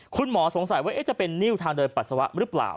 คุณหมอสงสัยว่าจะเป็นนิ้วทางเดินปัสสาวะหรือเปล่า